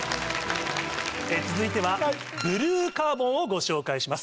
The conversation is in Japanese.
続いてはブルーカーボンをご紹介します。